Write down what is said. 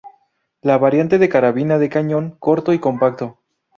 La variante de carabina de cañón corto y compacto.